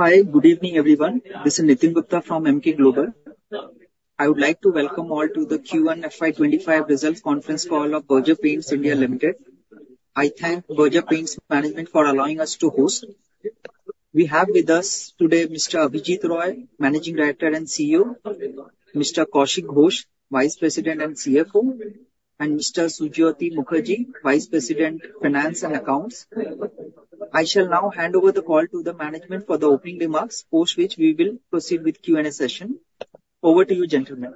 Hi, good evening, everyone. This is Nitin Gupta from Emkay Global. I would like to welcome all to the Q1 FY25 results conference call of Berger Paints India Limited. I thank Berger Paints management for allowing us to host. We have with us today Mr. Abhijit Roy, Managing Director and CEO, Mr. Kaushik Ghosh, Vice President and CFO, and Mr. Sujyoti Mukherjee, Vice President, Finance and Accounts. I shall now hand over the call to the management for the opening remarks, post which we will proceed with Q&A session. Over to you, gentlemen.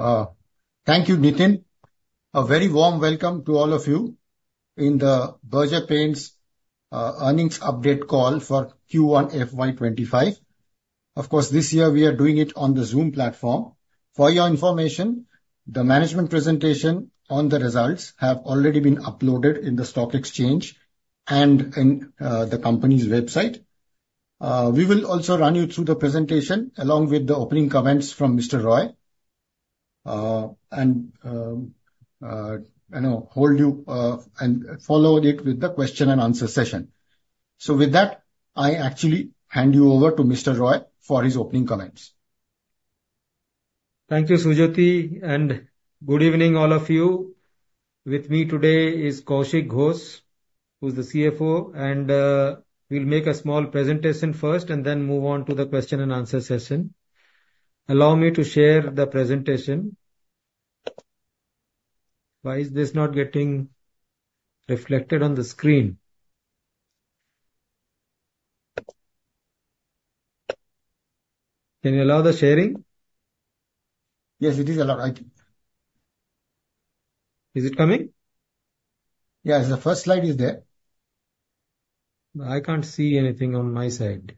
Thank you, Nitin. A very warm welcome to all of you in the Berger Paints earnings update call for Q1 FY 25. Of course, this year we are doing it on the Zoom platform. For your information, the management presentation on the results have already been uploaded in the stock exchange and in the company's website. We will also run you through the presentation, along with the opening comments from Mr. Roy. You know, hold you, and follow it with the question and answer session. So with that, I actually hand you over to Mr. Roy for his opening comments. Thank you, Sujyoti, and good evening, all of you. With me today is Kaushik Ghosh, who's the CFO, and we'll make a small presentation first and then move on to the question and answer session. Allow me to share the presentation. Why is this not getting reflected on the screen? Can you allow the sharing? Yes, it is allowed, I think. Is it coming? Yes, the first slide is there. I can't see anything on my side.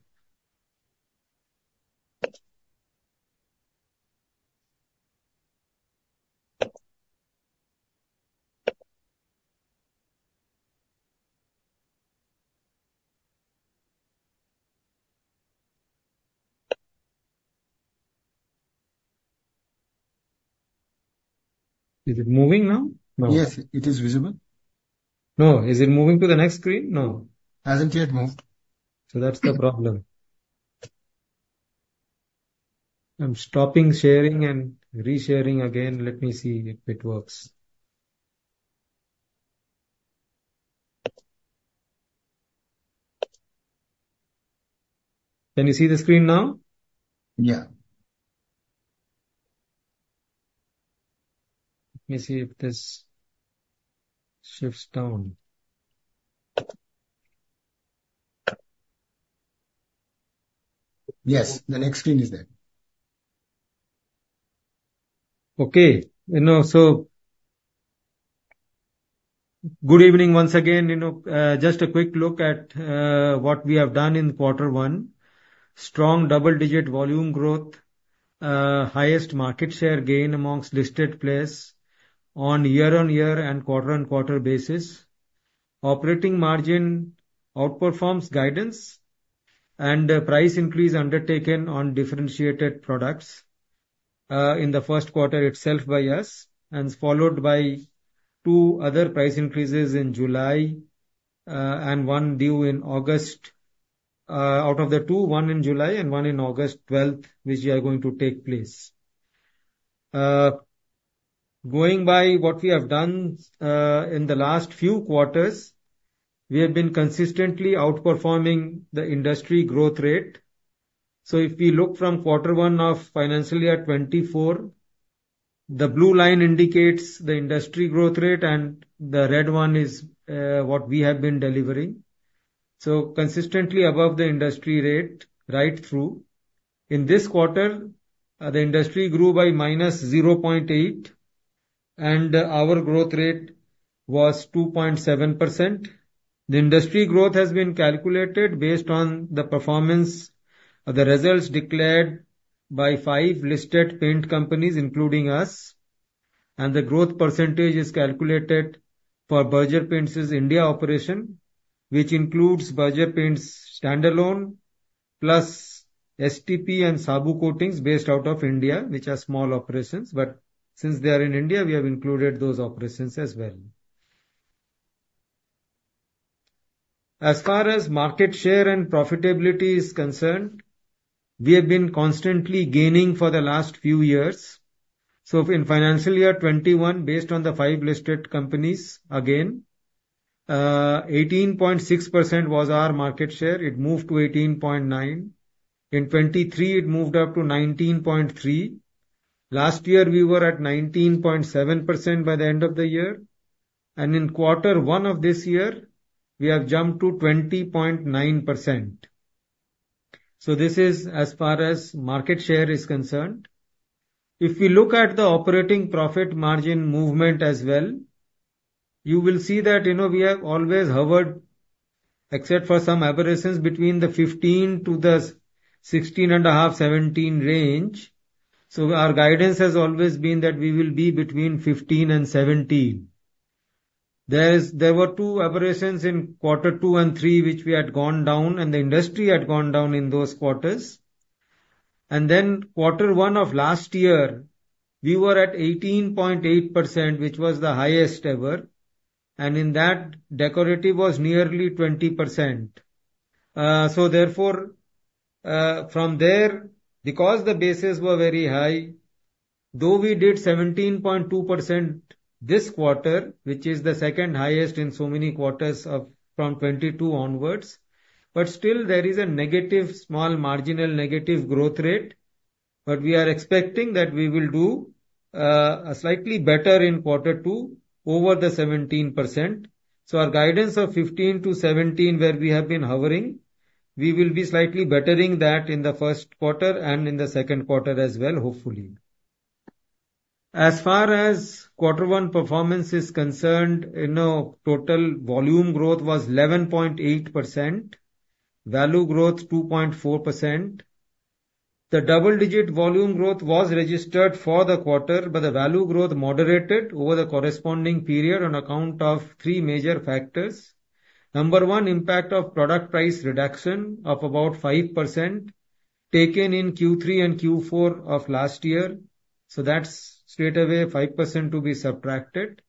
Is it moving now? Yes, it is visible. No. Is it moving to the next screen? No. Hasn't yet moved. So that's the problem. I'm stopping sharing and re-sharing again. Let me see if it works. Can you see the screen now? Yeah. Let me see if this shifts down. Yes, the next screen is there. Okay. You know, so good evening once again. You know, just a quick look at what we have done in quarter one. Strong double-digit volume growth, highest market share gain amongst listed players on year-on-year and quarter-on-quarter basis. Operating margin outperforms guidance and price increase undertaken on differentiated products in the first quarter itself by us, and followed by two other price increases in July and one due in August. Out of the two, one in July and one in August twelfth, which we are going to take place. Going by what we have done in the last few quarters, we have been consistently outperforming the industry growth rate. So if we look from quarter one of financial year 2024, the blue line indicates the industry growth rate, and the red one is what we have been delivering. So consistently above the industry rate right through. In this quarter, the industry grew by -0.8%, and our growth rate was 2.7%. The industry growth has been calculated based on the performance of the results declared by five listed paint companies, including us, and the growth percentage is calculated for Berger Paints India operation, which includes Berger Paints standalone, plus STP and Saboo Coatings based out of India, which are small operations, but since they are in India, we have included those operations as well. As far as market share and profitability is concerned, we have been constantly gaining for the last few years. So in financial year 2021, based on the five listed companies again, 18.6% was our market share. It moved to 18.9%. In 2023, it moved up to 19.3%. Last year, we were at 19.7% by the end of the year, and in quarter one of this year, we have jumped to 20.9%. So this is as far as market share is concerned. If we look at the operating profit margin movement as well, you will see that, you know, we have always hovered, except for some aberrations, between 15 to 16.5-17 range. So our guidance has always been that we will be between 15% and 17%. There were two aberrations in quarter two and three, which we had gone down, and the industry had gone down in those quarters... And then quarter one of last year, we were at 18.8%, which was the highest ever, and in that, decorative was nearly 20%. So therefore, from there, because the bases were very high, though we did 17.2% this quarter, which is the second highest in so many quarters of, from 2022 onwards, but still there is a negative, small marginal negative growth rate. But we are expecting that we will do slightly better in quarter two over the 17%. So our guidance of 15%-17%, where we have been hovering, we will be slightly bettering that in the first quarter and in the second quarter as well, hopefully. As far as quarter one performance is concerned, you know, total volume growth was 11.8%, value growth 2.4%. The double-digit volume growth was registered for the quarter, but the value growth moderated over the corresponding period on account of three major factors. Number one, impact of product price reduction of about 5%, taken in Q3 and Q4 of last year, so that's straightaway 5% to be subtracted.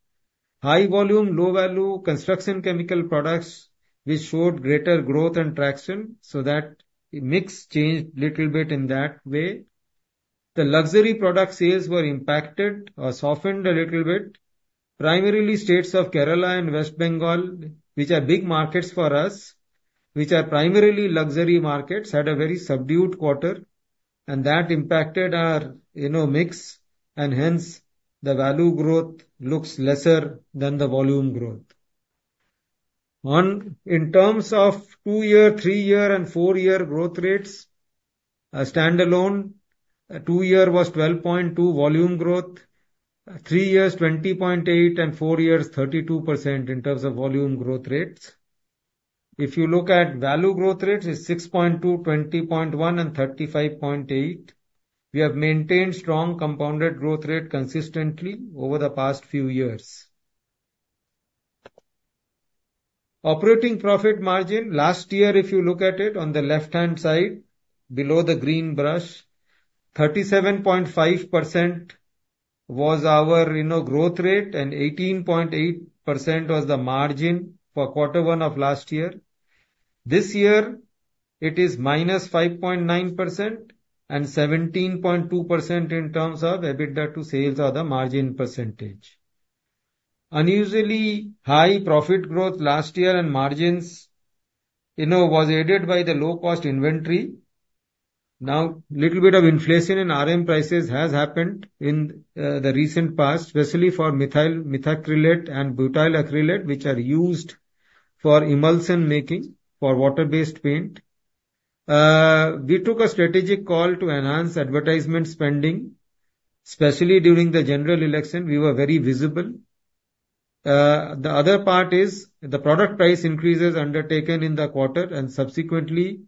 High volume, low value, construction chemical products, which showed greater growth and traction, so that mix changed little bit in that way. The luxury product sales were impacted or softened a little bit. Primarily, states of Kerala and West Bengal, which are big markets for us, which are primarily luxury markets, had a very subdued quarter, and that impacted our, you know, mix, and hence, the value growth looks lesser than the volume growth. One, in terms of two-year, 3-year and 4-year growth rates, standalone, two-year was 12.2 volume growth, 3 years, 20.8, and 4 years, 32% in terms of volume growth rates. If you look at value growth rates, it's 6.2, 20.1, and 35.8. We have maintained strong compounded growth rate consistently over the past few years. Operating profit margin. Last year, if you look at it on the left-hand side, below the green brush, 37.5% was our, you know, growth rate, and 18.8% was the margin for quarter one of last year. This year, it is -5.9% and 17.2% in terms of EBITDA to sales or the margin percentage. Unusually high profit growth last year and margins, you know, was aided by the low-cost inventory. Now, little bit of inflation in RM prices has happened in the recent past, especially for methyl methacrylate and butyl acrylate, which are used for emulsion making, for water-based paint. We took a strategic call to enhance advertisement spending, especially during the general election; we were very visible. The other part is the product price increases undertaken in the quarter and subsequently to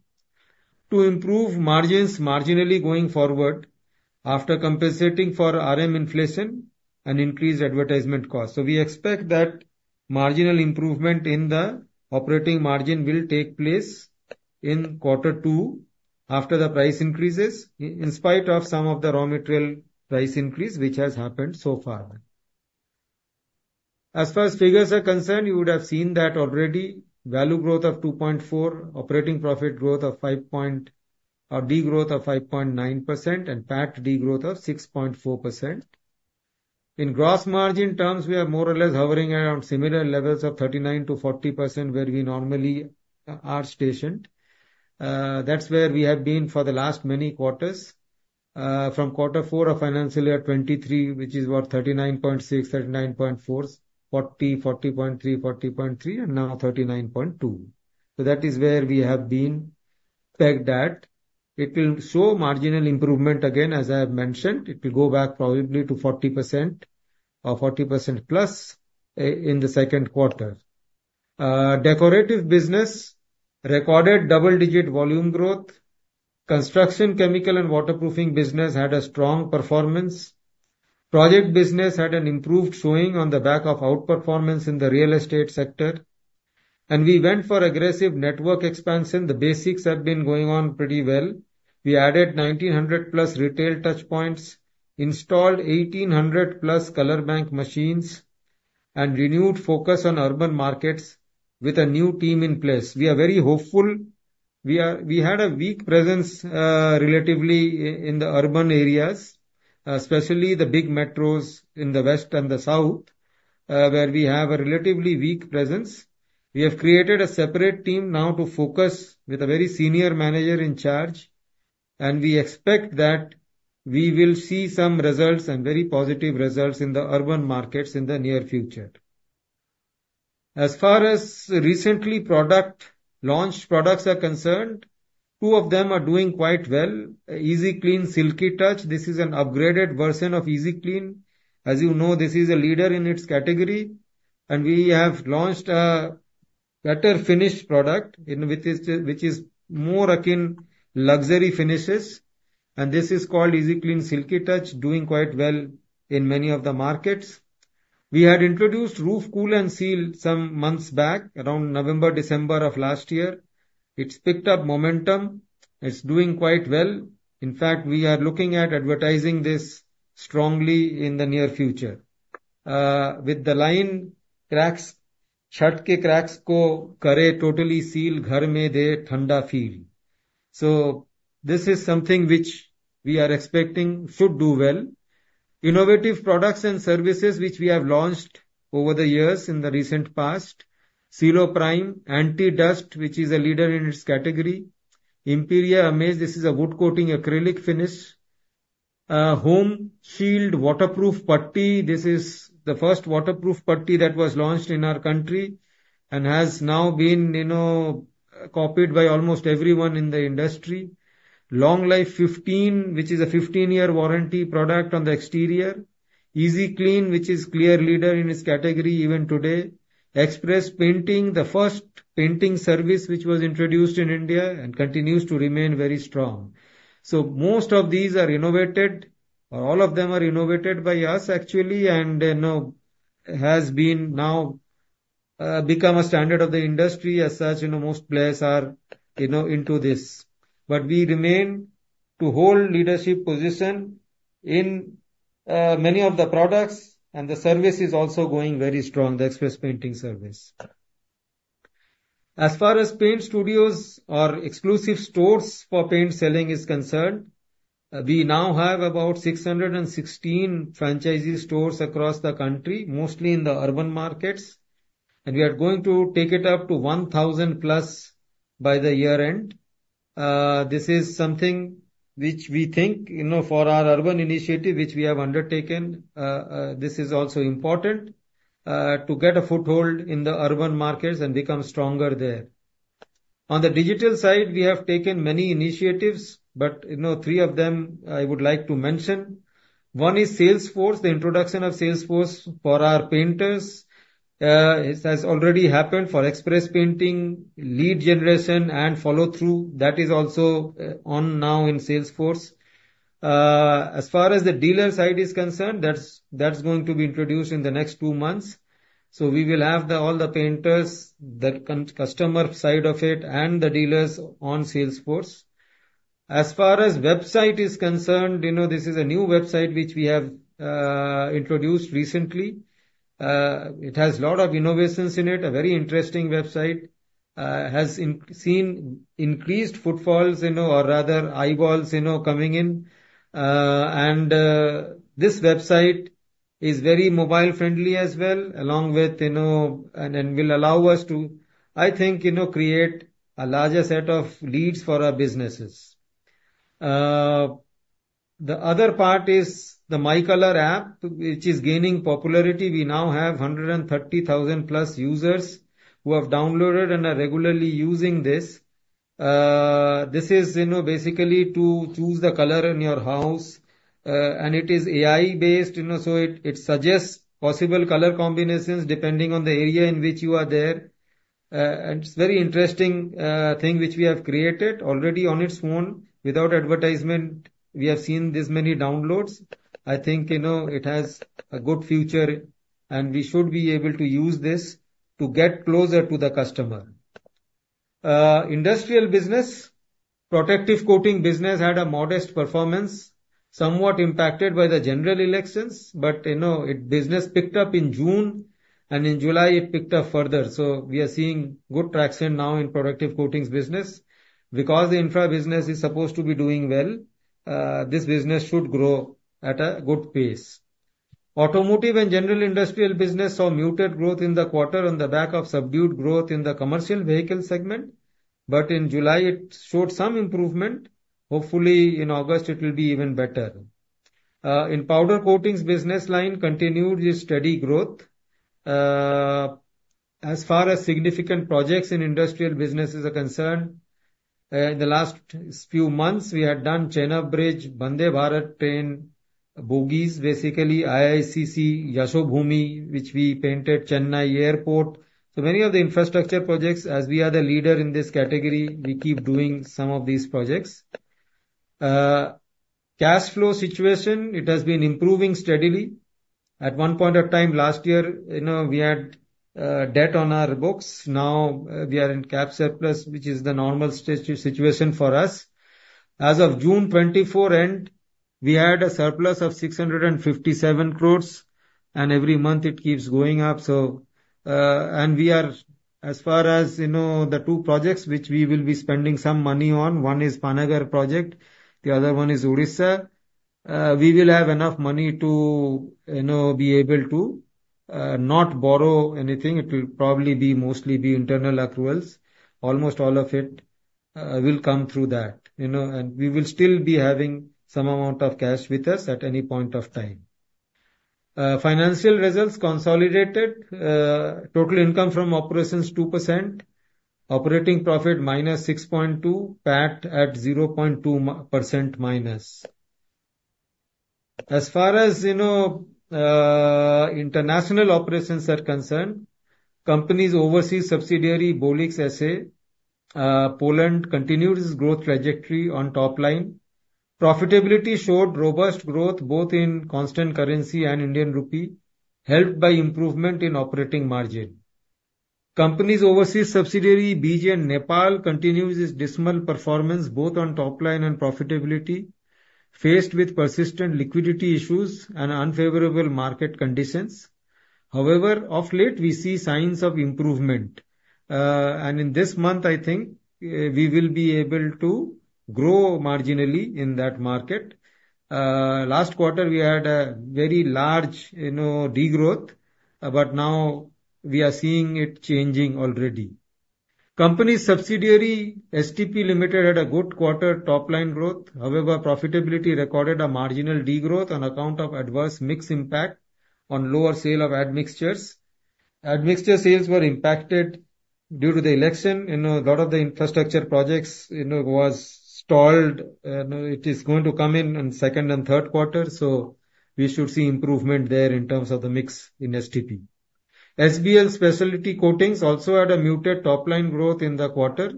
improve margins marginally going forward after compensating for RM inflation and increased advertisement costs. So we expect that marginal improvement in the operating margin will take place in quarter two after the price increases, in spite of some of the raw material price increase, which has happened so far. As far as figures are concerned, you would have seen that already. Value growth of 2.4, operating profit growth of five point or degrowth of 5.9% and PAT degrowth of 6.4%. In gross margin terms, we are more or less hovering around similar levels of 39%-40%, where we normally are stationed. That's where we have been for the last many quarters. From quarter four of financial year 2023, which is, what? 39.6, 39.4, 40, 40.3, 40.3, and now 39.2. So that is where we have been, expect that it will show marginal improvement again, as I have mentioned, it will go back probably to 40% or 40%+, in the second quarter. Decorative business recorded double-digit volume growth. Construction chemical and waterproofing business had a strong performance. Project business had an improved showing on the back of outperformance in the real estate sector. And we went for aggressive network expansion. The basics have been going on pretty well. We added 1,900+ retail touchpoints, installed 1,800+ Colour Bank machines, and renewed focus on urban markets with a new team in place. We are very hopeful. We had a weak presence, relatively in the urban areas, especially the big metros in the west and the south, where we have a relatively weak presence. We have created a separate team now to focus with a very senior manager in charge, and we expect that we will see some results and very positive results in the urban markets in the near future. As far as recently product, launched products are concerned, two of them are doing quite well. Easy Clean Silky Touch, this is an upgraded version of Easy Clean. As you know, this is a leader in its category, and we have launched a better finish product, which is more akin luxury finishes, and this is called Easy Clean Silky Touch, doing quite well in many of the markets. We had introduced Roof Kool & Seal some months back, around November, December of last year. It's picked up momentum. It's doing quite well. In fact, we are looking at advertising this strongly in the near future, with the line, "Cracks, Chhat ke cracks ko kare totally seal, ghar mein de thanda feel." So this is something which we are expecting should do well. Innovative products and services which we have launched over the years in the recent past, Seal-O-Prime, Anti Dust, which is a leader in its category. Imperia Amaze, this is a wood coating, acrylic finish. Home Shield Waterproof Putty, this is the first waterproof putty that was launched in our country and has now been, you know, copied by almost everyone in the industry. Long Life 15, which is a 15-year warranty product on the exterior. Easy Clean, which is clear leader in its category even today. Express Painting, the first painting service which was introduced in India and continues to remain very strong. So most of these are innovated, or all of them are innovated by us, actually, and, you know, has been now, become a standard of the industry. As such, you know, most players are, you know, into this. But we remain to hold leadership position in, many of the products, and the service is also going very strong, the express painting service. As far as paint studios or exclusive stores for paint selling is concerned, we now have about 616 franchisee stores across the country, mostly in the urban markets, and we are going to take it up to 1,000 plus by the year-end. This is something which we think, you know, for our urban initiative, which we have undertaken, this is also important, to get a foothold in the urban markets and become stronger there. On the digital side, we have taken many initiatives, but, you know, three of them I would like to mention. One is Salesforce, the introduction of Salesforce for our painters. It has already happened for Express Painting, lead generation and follow-through. That is also on now in Salesforce. As far as the dealer side is concerned, that's going to be introduced in the next two months. So we will have all the painters, the contractor, customer side of it and the dealers on Salesforce. As far as the website is concerned, you know, this is a new website which we have introduced recently. It has a lot of innovations in it, a very interesting website. It has seen increased footfalls, you know, or rather eyeballs, you know, coming in. And this website is very mobile friendly as well, along with, you know, and will allow us to, I think, you know, create a larger set of leads for our businesses. The other part is the My Colour App, which is gaining popularity. We now have 130,000-plus users who have downloaded and are regularly using this. This is, you know, basically to choose the color in your house, and it is AI-based, you know, so it, it suggests possible color combinations depending on the area in which you are there. And it's very interesting, thing which we have created. Already on its own, without advertisement, we have seen this many downloads. I think, you know, it has a good future, and we should be able to use this to get closer to the customer. Industrial business, protective coating business had a modest performance, somewhat impacted by the general elections. But, you know, it business picked up in June, and in July it picked up further. So we are seeing good traction now in protective coatings business. Because the infra business is supposed to be doing well, this business should grow at a good pace. Automotive and general industrial business saw muted growth in the quarter on the back of subdued growth in the commercial vehicle segment, but in July it showed some improvement. Hopefully, in August it will be even better. In powder coatings business line continued its steady growth. As far as significant projects in industrial businesses are concerned, in the last few months, we have done Chenab Bridge, Vande Bharat train, bogies, basically IICC, Yashobhoomi, which we painted Chennai Airport. So many of the infrastructure projects, as we are the leader in this category, we keep doing some of these projects. Cash flow situation, it has been improving steadily. At one point of time last year, you know, we had debt on our books. Now, we are in cash surplus, which is the normal situation for us. As of June 2024 end, we had a surplus of 657 crores, and every month it keeps going up. So, and we are, as far as you know, the two projects which we will be spending some money on, one is Panagarh project, the other one is Odisha. We will have enough money to, you know, be able to, not borrow anything. It will probably be mostly be internal accruals. Almost all of it, will come through that, you know, and we will still be having some amount of cash with us at any point of time. Financial results consolidated, total income from operations 2%, operating profit -6.2%, PAT at -0.2%. As far as you know, international operations are concerned, company's overseas subsidiary, Bolix S.A., Poland, continued its growth trajectory on top line. Profitability showed robust growth, both in constant currency and Indian rupee, helped by improvement in operating margin. Company's overseas subsidiary, Berger Nepal, continues its dismal performance both on top line and profitability, faced with persistent liquidity issues and unfavorable market conditions. However, of late, we see signs of improvement. And in this month, I think, we will be able to grow marginally in that market. Last quarter, we had a very large, you know, degrowth, but now we are seeing it changing already. Company's subsidiary, STP Limited, had a good quarter top line growth. However, profitability recorded a marginal degrowth on account of adverse mix impact on lower sale of admixtures. Admixture sales were impacted due to the election. You know, a lot of the infrastructure projects, you know, was stalled. It is going to come in on second and third quarter, so we should see improvement there in terms of the mix in STP. SBL Specialty Coatings also had a muted top line growth in the quarter,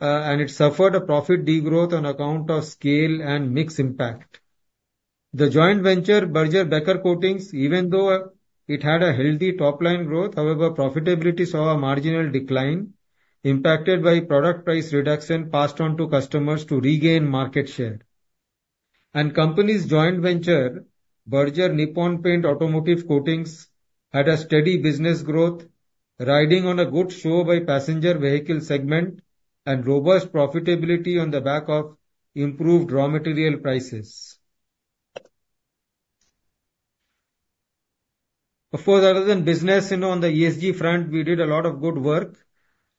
and it suffered a profit degrowth on account of scale and mix impact. The joint venture, Berger Becker Coatings, even though it had a healthy top line growth, however, profitability saw a marginal decline impacted by product price reduction passed on to customers to regain market share. And company's joint venture, Berger Nippon Paint Automotive Coatings, had a steady business growth, riding on a good show by passenger vehicle segment and robust profitability on the back of improved raw material prices. Of course, other than business, you know, on the ESG front, we did a lot of good work.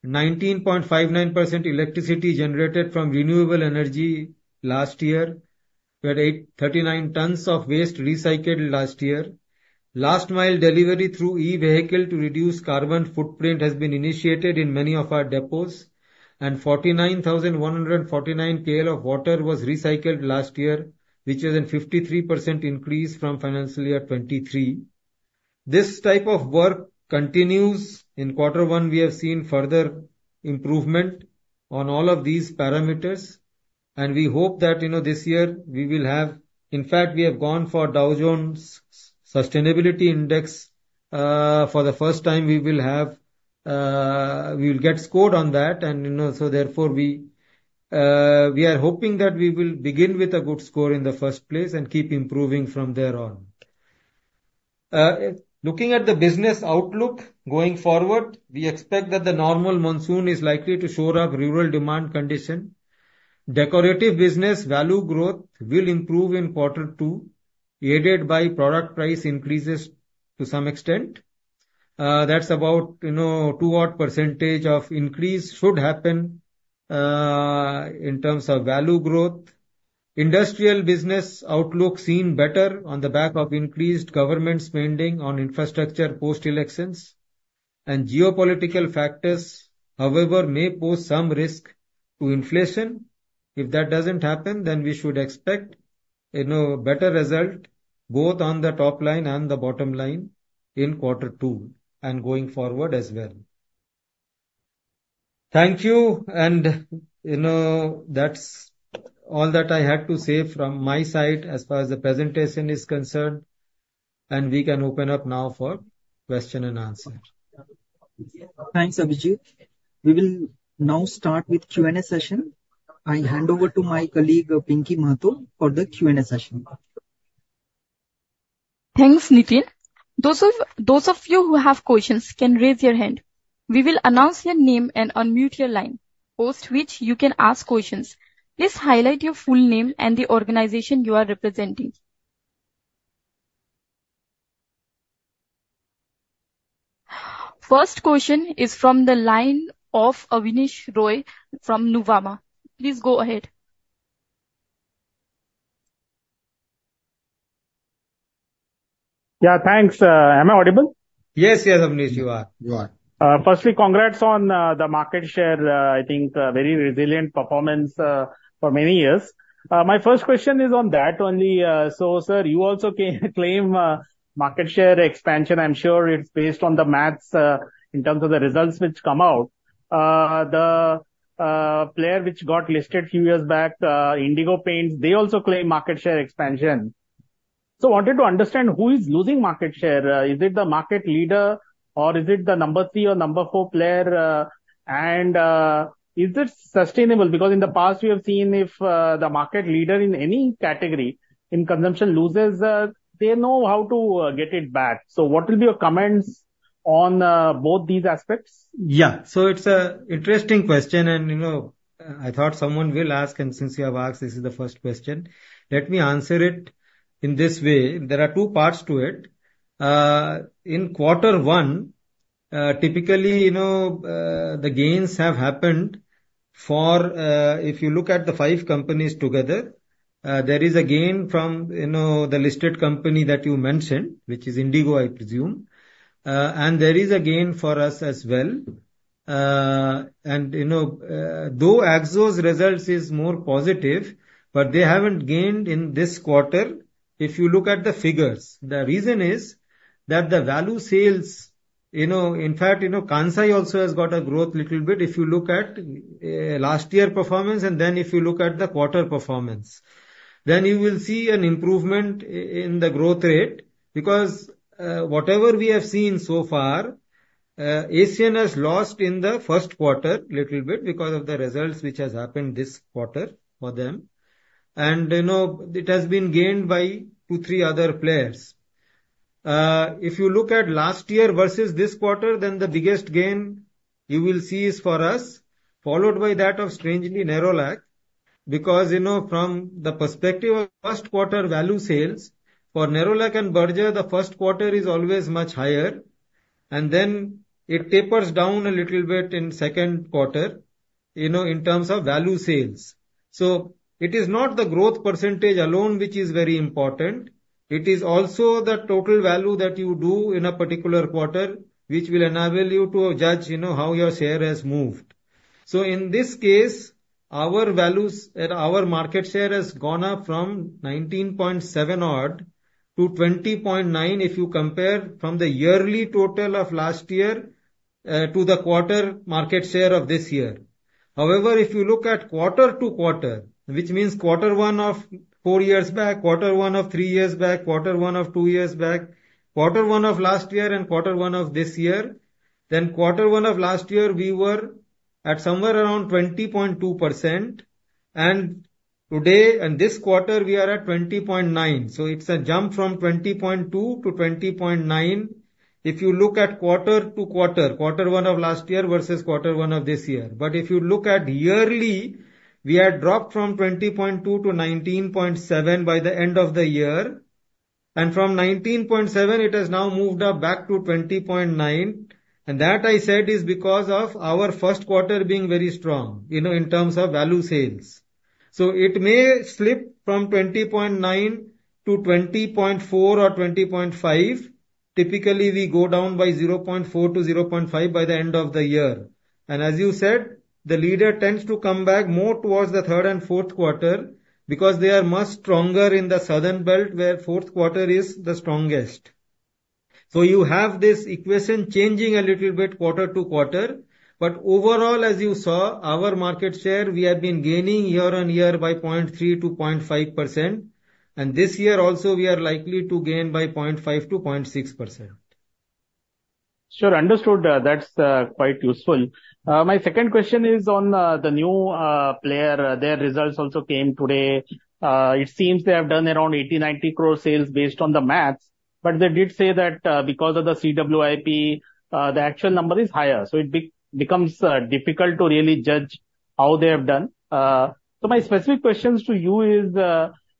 19.59% electricity generated from renewable energy last year. We had 839 tons of waste recycled last year. Last mile delivery through e-vehicle to reduce carbon footprint has been initiated in many of our depots. And 49,149 KL of water was recycled last year, which is a 53% increase from financial year 2023. This type of work continues. In quarter one, we have seen further improvement on all of these parameters, and we hope that, you know, this year we will have... In fact, we have gone for Dow Jones Sustainability Index. For the first time, we will have, we will get scored on that, and, you know, so therefore, we, we are hoping that we will begin with a good score in the first place and keep improving from there on. Looking at the business outlook going forward, we expect that the normal monsoon is likely to show a rural demand condition. Decorative business value growth will improve in quarter two, aided by product price increases to some extent. That's about, you know, 2-odd% of increase should happen in terms of value growth. Industrial business outlook seem better on the back of increased government spending on infrastructure post-elections. And geopolitical factors, however, may pose some risk to inflation. If that doesn't happen, then we should expect, you know, better result both on the top line and the bottom line in quarter two and going forward as well. Thank you, and, you know, that's all that I had to say from my side as far as the presentation is concerned, and we can open up now for question and answer. Thanks, Abhijit. We will now start with Q&A session. I hand over to my colleague, Pinky Mathur, for the Q&A session. Thanks, Nitin. Those of you who have questions can raise your hand. We will announce your name and unmute your line, after which you can ask questions. Please state your full name and the organization you are representing. First question is from the line of Abneesh Roy from Nuvama. Please go ahead. Yeah, thanks. Am I audible? Yes, yes, Abneesh, you are. You are. Firstly, congrats on the market share. I think very resilient performance for many years. My first question is on that only. So, sir, you also claim market share expansion. I'm sure it's based on the math in terms of the results which come out. The player which got listed a few years back, Indigo Paints, they also claim market share expansion. So wanted to understand, who is losing market share? Is it the market leader or is it the number three or number four player? And is this sustainable? Because in the past, we have seen if the market leader in any category in consumption loses, they know how to get it back. So what will be your comments on both these aspects? Yeah. So it's an interesting question, and, you know, I thought someone will ask, and since you have asked, this is the first question. Let me answer it in this way: There are two parts to it. In quarter one, typically, you know, the gains have happened for, if you look at the five companies together, there is a gain from, you know, the listed company that you mentioned, which is Indigo, I presume. And there is a gain for us as well. And, you know, though AkzoNobel results is more positive, but they haven't gained in this quarter if you look at the figures. The reason is that, you know, in fact, you know, Kansai also has got a growth little bit. If you look at last year performance, and then if you look at the quarter performance, then you will see an improvement in the growth rate. Because whatever we have seen so far, Asian has lost in the first quarter little bit because of the results which has happened this quarter for them, and, you know, it has been gained by two, three other players. If you look at last year versus this quarter, then the biggest gain you will see is for us, followed by that of strangely, Nerolac. Because, you know, from the perspective of first quarter value sales, for Nerolac and Berger, the first quarter is always much higher, and then it tapers down a little bit in second quarter, you know, in terms of value sales. So it is not the growth percentage alone which is very important, it is also the total value that you do in a particular quarter, which will enable you to judge, you know, how your share has moved. So in this case, our values and our market share has gone up from 19.7-odd to 20.9, if you compare from the yearly total of last year to the quarter market share of this year. However, if you look at quarter to quarter, which means quarter 1 of 4 years back, quarter 1 of 3 years back, quarter 1 of 2 years back, quarter 1 of last year, and quarter 1 of this year, then quarter 1 of last year, we were at somewhere around 20.2%, and today, in this quarter, we are at 20.9. It's a jump from 20.2 to 20.9. If you look at quarter-over-quarter, quarter one of last year versus quarter one of this year. But if you look at yearly, we had dropped from 20.2 to 19.7 by the end of the year, and from 19.7, it has now moved up back to 20.9, and that I said, is because of our first quarter being very strong, you know, in terms of value sales. So it may slip from 20.9 to 20.4 or 20.5. Typically, we go down by 0.4-0.5 by the end of the year. As you said, the leader tends to come back more towards the third and fourth quarter because they are much stronger in the southern belt, where fourth quarter is the strongest. You have this equation changing a little bit quarter-to-quarter, but overall, as you saw, our market share, we have been gaining year-on-year by 0.3%-0.5%, and this year also, we are likely to gain by 0.5%-0.6%. Sure. Understood. That's quite useful. My second question is on the new player. Their results also came today. It seems they have done around 80-90 crore sales based on the math, but they did say that because of the CWIP, the actual number is higher. So it becomes difficult to really judge how they have done. So my specific questions to you is,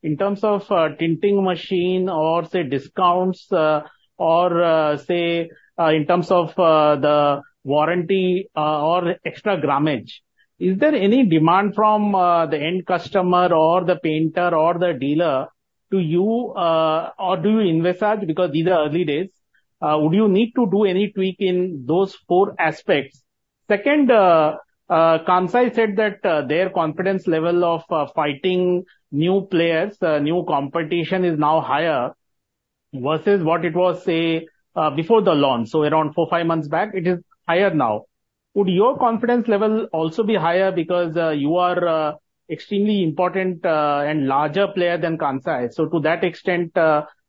in terms of tinting machine or say discounts, or say, in terms of the warranty, or extra grammage, is there any demand from the end customer or the painter or the dealer to you? Or do you envisage because these are early days, would you need to do any tweak in those four aspects? Second, Kansai said that, their confidence level of, fighting new players, new competition, is now higher versus what it was, say, before the launch. So around 4-5 months back, it is higher now. Would your confidence level also be higher because, you are, extremely important, and larger player than Kansai? So to that extent,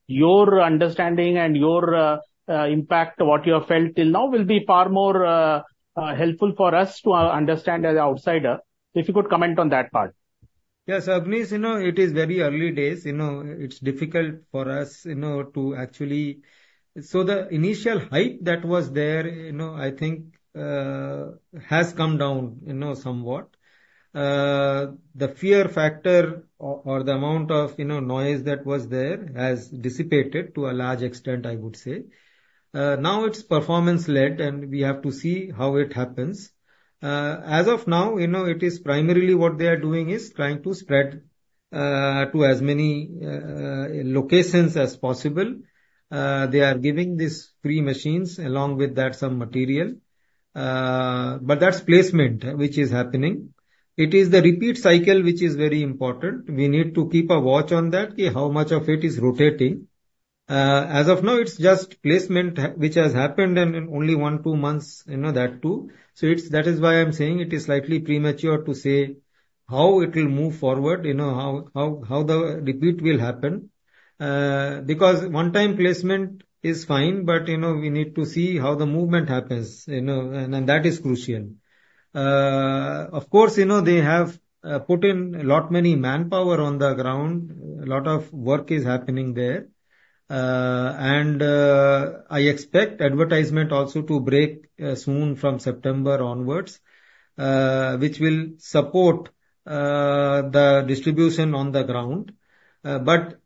your understanding and your, impact, what you have felt till now, will be far more, helpful for us to, understand as an outsider, if you could comment on that part. Yes, Abneesh, you know, it is very early days. You know, it's difficult for us, you know, to actually... So the initial hype that was there, you know, I think, has come down, you know, somewhat. The fear factor or, or the amount of, you know, noise that was there, has dissipated to a large extent, I would say. Now it's performance-led, and we have to see how it happens. As of now, you know, it is primarily what they are doing is trying to spread, to as many, locations as possible. They are giving these free machines, along with that, some material, but that's placement which is happening. It is the repeat cycle, which is very important. We need to keep a watch on that, how much of it is rotating. As of now, it's just placement which has happened in only 1-2 months, you know, that too. So that is why I'm saying it is slightly premature to say how it will move forward, you know, how, how, how the repeat will happen. Because one-time placement is fine, but, you know, we need to see how the movement happens, you know, and that is crucial. Of course, you know, they have put in a lot, many manpower on the ground. A lot of work is happening there. And I expect advertisement also to break soon, from September onwards, which will support the distribution on the ground. But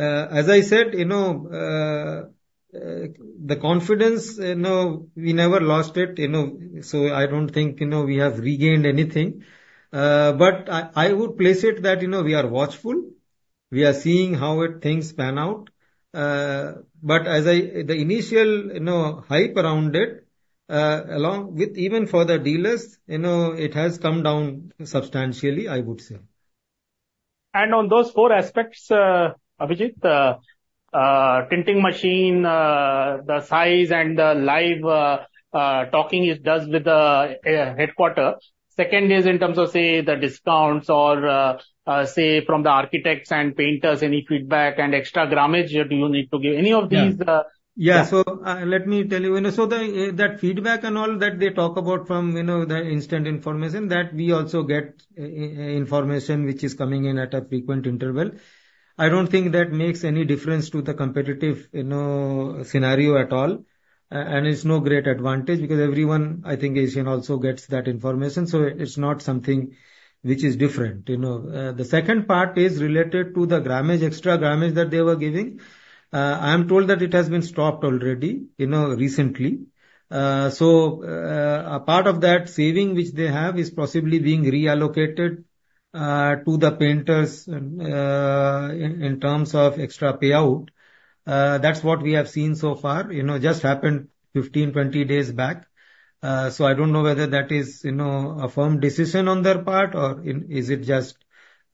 as I said, you know, the confidence, you know, we never lost it, you know, so I don't think, you know, we have regained anything. But I would place it that, you know, we are watchful. We are seeing how things pan out. But as I, the initial, you know, hype around it, along with even for the dealers, you know, it has come down substantially, I would say. ...And on those four aspects, Abhijit, the tinting machine, the size and the live talking it does with the headquarters. Second is in terms of, say, the discounts or, say, from the architects and painters, any feedback and extra grammage, do you need to give any of these? Yeah. So, let me tell you. So the, that feedback and all that they talk about from, you know, the instant information, that we also get, information which is coming in at a frequent interval. I don't think that makes any difference to the competitive, you know, scenario at all, and it's no great advantage because everyone, I think, Asian also gets that information, so it's not something which is different, you know. The second part is related to the grammage, extra grammage that they were giving. I am told that it has been stopped already, you know, recently. So, a part of that saving, which they have, is possibly being reallocated, to the painters, in terms of extra payout. That's what we have seen so far. You know, just happened 15, 20 days back. So I don't know whether that is, you know, a firm decision on their part or in, is it just,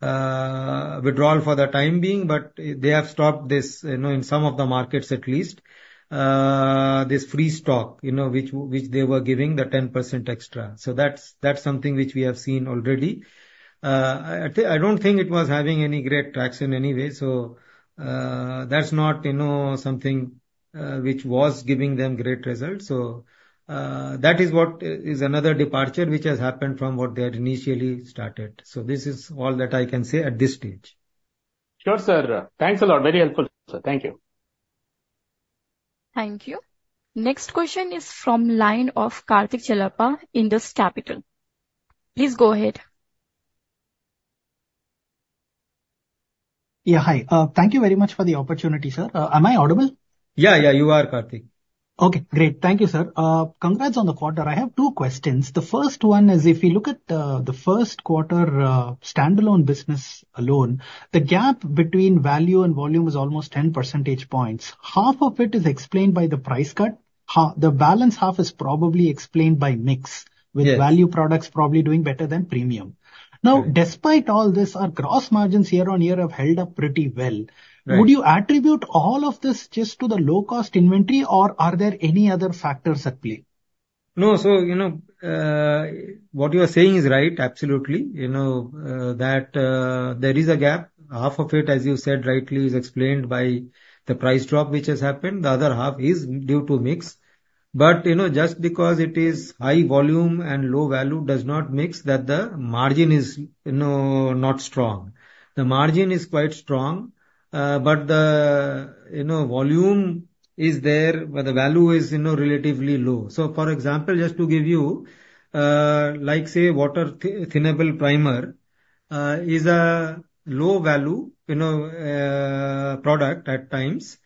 withdrawal for the time being, but they have stopped this, you know, in some of the markets at least, this free stock, you know, which, which they were giving, the 10% extra. So that's, that's something which we have seen already. I, I don't think it was having any great traction anyway, so, that's not, you know, something, which was giving them great results. So, that is what is another departure which has happened from what they had initially started. So this is all that I can say at this stage. Sure, sir. Thanks a lot. Very helpful, sir. Thank you. Thank you. Next question is from line of Karthik Chellappa, Indus Capital. Please go ahead. Yeah, hi. Thank you very much for the opportunity, sir. Am I audible? Yeah, yeah, you are, Karthik. Okay, great. Thank you, sir. Congrats on the quarter. I have two questions. The first one is, if you look at the first quarter, standalone business alone, the gap between value and volume is almost 10 percentage points. Half of it is explained by the price cut. The balance half is probably explained by mix- Yes. with value products probably doing better than premium. Yes. Now, despite all this, our gross margins year-on-year have held up pretty well. Right. Would you attribute all of this just to the low-cost inventory, or are there any other factors at play? No. So, you know, what you are saying is right, absolutely. You know, that, there is a gap. Half of it, as you said rightly, is explained by the price drop, which has happened. The other half is due to mix. But, you know, just because it is high volume and low value does not mean mix that the margin is, you know, not strong. The margin is quite strong, but the, you know, volume is there, but the value is, you know, relatively low. So, for example, just to give you, like, say, water thinnable primer, is a low value, you know, product at times,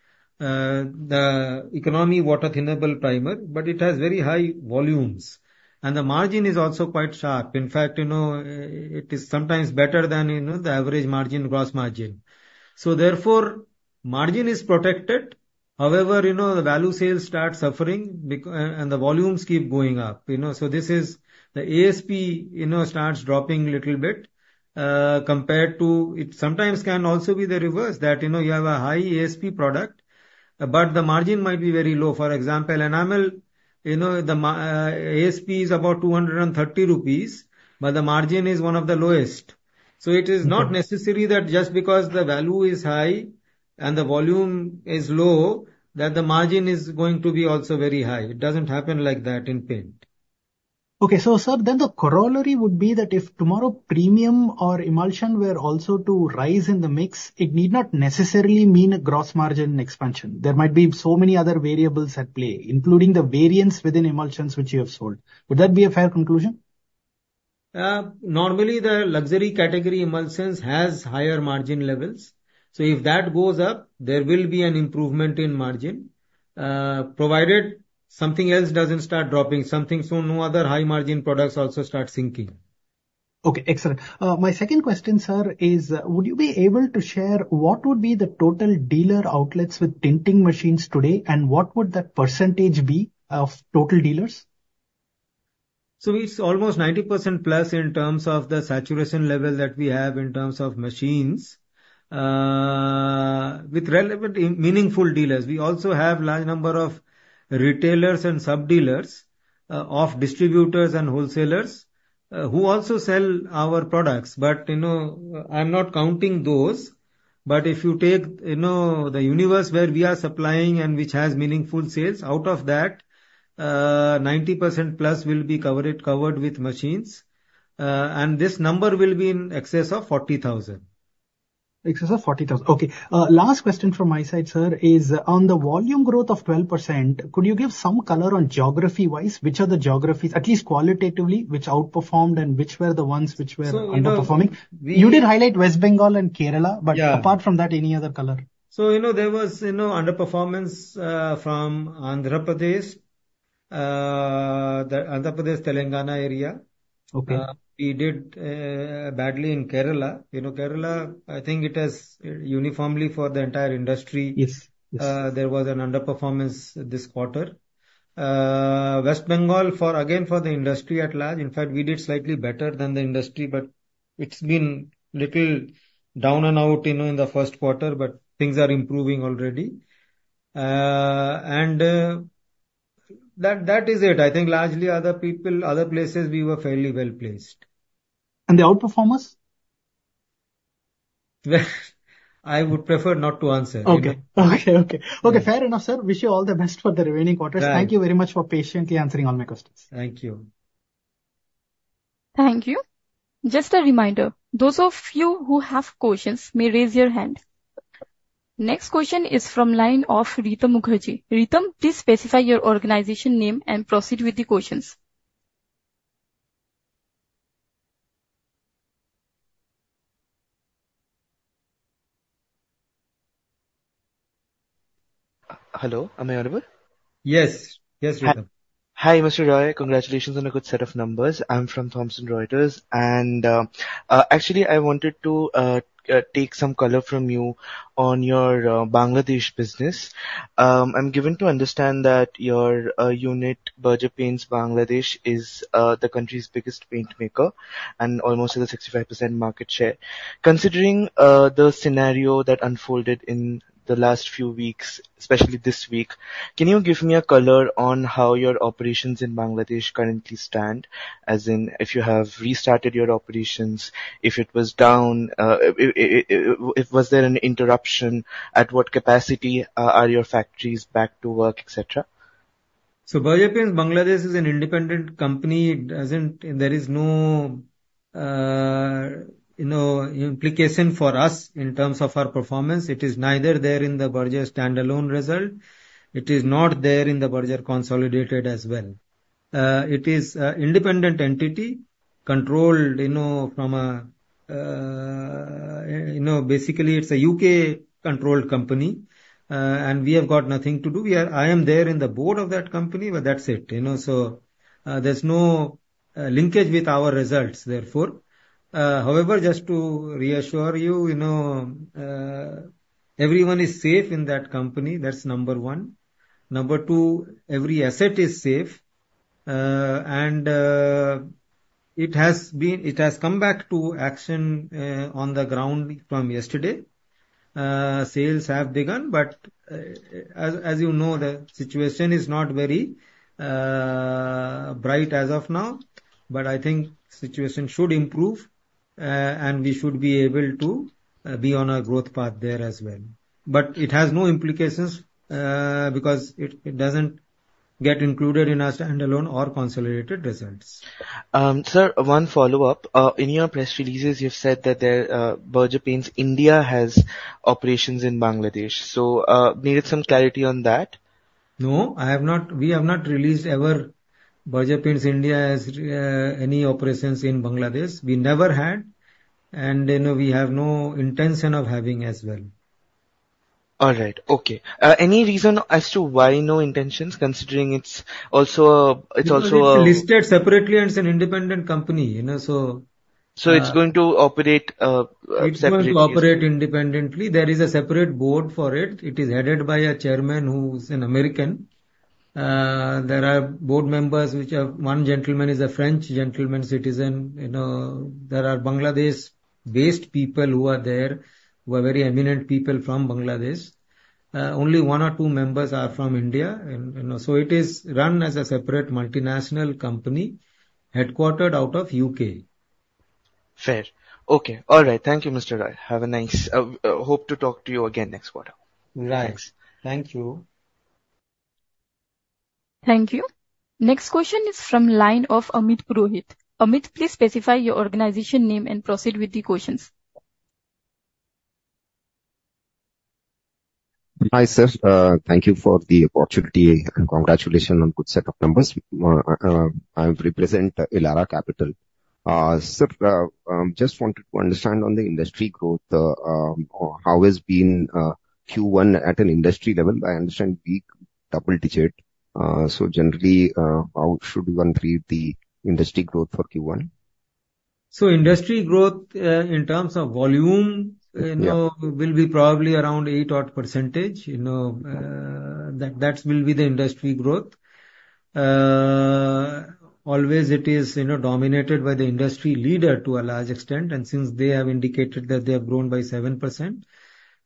the economy water thinnable primer, but it has very high volumes, and the margin is also quite sharp. In fact, you know, it is sometimes better than, you know, the average margin, gross margin. So therefore, margin is protected. However, you know, the value sales start suffering and the volumes keep going up, you know. So this is the ASP, you know, starts dropping little bit, compared to... It sometimes can also be the reverse, that, you know, you have a high ASP product, but the margin might be very low. For example, enamel, you know, the ASP is about 230 rupees, but the margin is one of the lowest. So it is not necessary that just because the value is high and the volume is low, that the margin is going to be also very high. It doesn't happen like that in paint. Okay. So, sir, then the corollary would be that if tomorrow premium or emulsion were also to rise in the mix, it need not necessarily mean a gross margin expansion. There might be so many other variables at play, including the variance within emulsions, which you have sold. Would that be a fair conclusion? Normally, the luxury category emulsions has higher margin levels, so if that goes up, there will be an improvement in margin, provided something else doesn't start dropping, so no other high-margin products also start sinking. Okay, excellent. My second question, sir, is: would you be able to share what would be the total dealer outlets with tinting machines today, and what would that percentage be of total dealers? So it's almost 90%+ in terms of the saturation level that we have in terms of machines, with relevant, meaningful dealers. We also have large number of retailers and sub-dealers, of distributors and wholesalers, who also sell our products. But, you know, I'm not counting those. But if you take, you know, the universe where we are supplying and which has meaningful sales, out of that, 90%+ will be covered, covered with machines, and this number will be in excess of 40,000. Excess of 40,000. Okay. Last question from my side, sir, is on the volume growth of 12%, could you give some color on geography-wise? Which are the geographies, at least qualitatively, which outperformed and which were the ones which were underperforming? So, we- You did highlight West Bengal and Kerala- Yeah. But apart from that, any other color? You know, there was, you know, underperformance from Andhra Pradesh, the Andhra Pradesh, Telangana area. Okay. We did badly in Kerala. You know, Kerala, I think it has uniformly for the entire industry- Yes, yes. There was an underperformance this quarter. West Bengal, again, for the industry at large, in fact, we did slightly better than the industry, but it's been little down and out, you know, in the first quarter, but things are improving already. That, that is it. I think largely other people, other places, we were fairly well-placed. And the outperformers? I would prefer not to answer, you know? Okay. Okay, okay. Okay, fair enough, sir. Wish you all the best for the remaining quarters. Right. Thank you very much for patiently answering all my questions. Thank you. Thank you. Just a reminder, those of you who have questions may raise your hand. Next question is from line of Ritam Mukherjee. Ritam, please specify your organization name and proceed with the questions. Hello, am I audible? Yes. Yes, Ritam. Hi, Mr. Roy. Congratulations on a good set of numbers. I'm from Thomson Reuters, and actually, I wanted to take some color from you on your Bangladesh business. I'm given to understand that your unit, Berger Paints Bangladesh, is the country's biggest paint maker and almost at a 65% market share. Considering the scenario that unfolded in the last few weeks, especially this week, can you give me a color on how your operations in Bangladesh currently stand? As in, if you have restarted your operations, if it was down, if there was an interruption, at what capacity are your factories back to work, et cetera? So Berger Paints Bangladesh is an independent company. It doesn't. There is no, you know, implication for us in terms of our performance. It is neither there in the Berger standalone result. It is not there in the Berger consolidated as well. It is a independent entity controlled, you know, from a, you know, basically, it's a U.K.-controlled company, and we have got nothing to do. I am there in the board of that company, but that's it, you know, so, there's no, linkage with our results, therefore. However, just to reassure you, you know, everyone is safe in that company. That's number one. Number two, every asset is safe. And, it has come back to action, on the ground from yesterday. Sales have begun, but, as you know, the situation is not very bright as of now, but I think situation should improve, and we should be able to be on a growth path there as well. But it has no implications, because it doesn't get included in our standalone or consolidated results. Sir, one follow-up. In your press releases, you've said that the Berger Paints India has operations in Bangladesh, so needed some clarity on that. No, I have not, we have not released ever. Berger Paints India has any operations in Bangladesh. We never had, and, you know, we have no intention of having as well. All right. Okay. Any reason as to why no intentions, considering it's also a, it's also a- It's listed separately, and it's an independent company, you know, so. So it's going to operate separately. It's going to operate independently. There is a separate board for it. It is headed by a chairman who's an American. There are board members which are, one gentleman is a French gentleman citizen. You know, there are Bangladesh-based people who are there, who are very eminent people from Bangladesh. Only one or two members are from India, and, you know, so it is run as a separate multinational company, headquartered out of U.K. Fair. Okay. All right. Thank you, Mr. Roy. Have a nice... hope to talk to you again next quarter. Right. Thanks. Thank you. Thank you. Next question is from line of Amit Purohit. Amit, please specify your organization name and proceed with the questions. Hi, sir. Thank you for the opportunity, and congratulations on good set of numbers. I represent Elara Capital. Sir, just wanted to understand on the industry growth, how has been, Q1 at an industry level? I understand peak double digit. So generally, how should one read the industry growth for Q1? So industry growth, in terms of volume- Yeah... you know, will be probably around 8 odd percentage, you know, that, that will be the industry growth. Always it is, you know, dominated by the industry leader to a large extent, and since they have indicated that they have grown by 7%,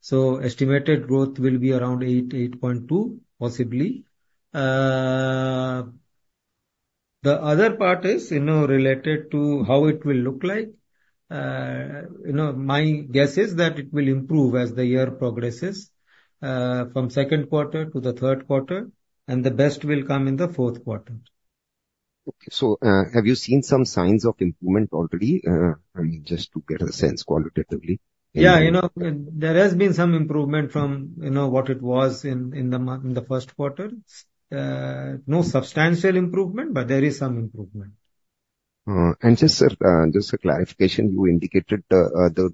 so estimated growth will be around 8, 8.2, possibly. The other part is, you know, related to how it will look like. You know, my guess is that it will improve as the year progresses, from second quarter to the third quarter, and the best will come in the fourth quarter. Okay. So, have you seen some signs of improvement already? I mean, just to get a sense qualitatively. Yeah, you know, there has been some improvement from, you know, what it was in the first quarter. No substantial improvement, but there is some improvement. Just, sir, just a clarification, you indicated the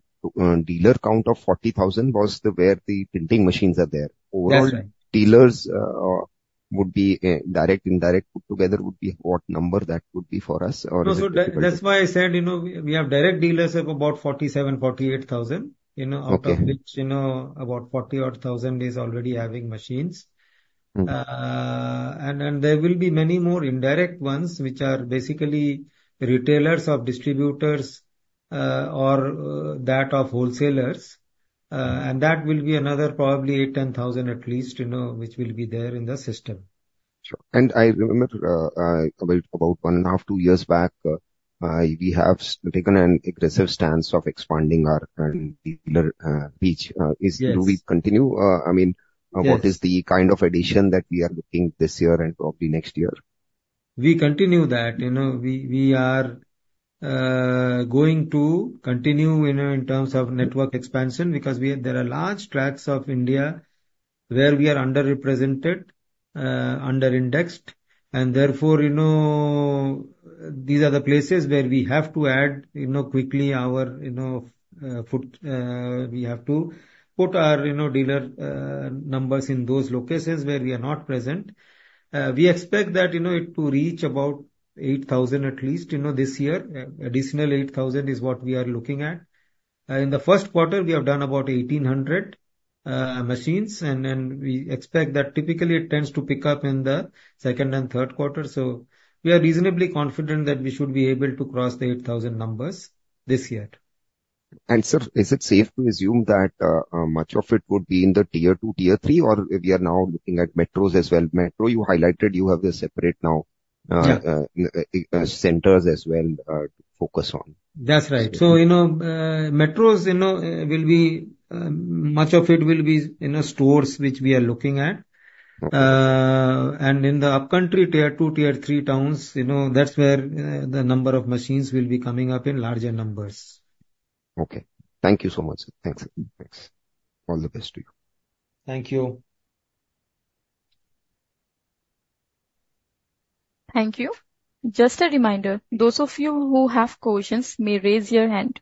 dealer count of 40,000 was the where the printing machines are there. Yes, sir. Overall, dealers would be direct, indirect, put together would be what number that would be for us or- No, so that's why I said, you know, we have direct dealers of about 47-48 thousand, you know- Okay. Out of which, you know, about 40,000 is already having machines. And there will be many more indirect ones, which are basically retailers or distributors, or that of wholesalers. And that will be another probably 8-10 thousand at least, you know, which will be there in the system. Sure. I remember, about one and a half, two years back, we have taken an aggressive stance of expanding our dealer reach. Yes. Do we continue? I mean- Yes. What is the kind of addition that we are looking this year and probably next year? We continue that. You know, we are going to continue, you know, in terms of network expansion, because we have—there are large tracks of India where we are underrepresented, under-indexed, and therefore, you know, these are the places where we have to add, you know, quickly our, you know, dealer numbers in those locations where we are not present. We expect that, you know, it to reach about 8,000 at least, you know, this year. Additional 8,000 is what we are looking at. In the first quarter, we have done about 1,800 machines, and we expect that typically it tends to pick up in the second and third quarter. So we are reasonably confident that we should be able to cross the 8,000 numbers this year. Sir, is it safe to assume that much of it would be in the tier two, tier three, or we are now looking at metros as well? Metro, you highlighted you have a separate now. Yeah centers as well, to focus on. That's right. So, you know, metros, you know, will be much of it will be in our stores which we are looking at. Okay. In the upcountry, tier two, tier three towns, you know, that's where the number of machines will be coming up in larger numbers. Okay. Thank you so much, sir. Thanks, thanks. All the best to you. Thank you. Thank you. Just a reminder, those of you who have questions may raise your hand.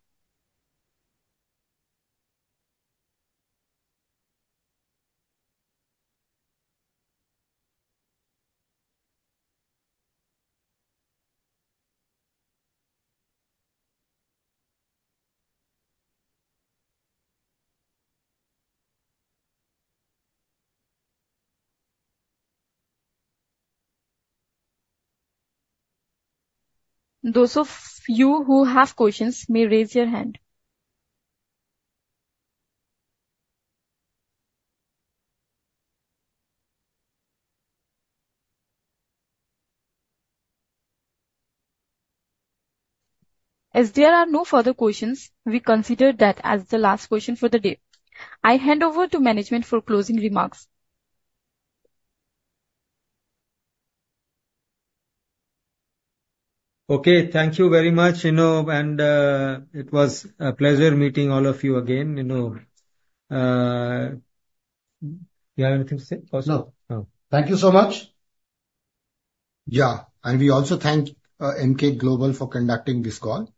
Those of you who have questions may raise your hand. As there are no further questions, we consider that as the last question for the day. I hand over to management for closing remarks. Okay, thank you very much, you know, and it was a pleasure meeting all of you again, you know. Do you have anything to say, Kaushik? No. No. Thank you so much. Yeah, and we also thank Emkay Global for conducting this call.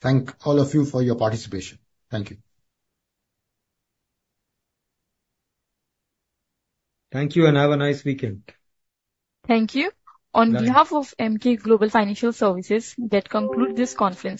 Thank all of you for your participation. Thank you. Thank you, and have a nice weekend. Thank you. Thank you. On behalf of Emkay Global Financial Services, that concludes this conference.